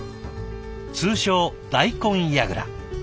通称大根やぐら。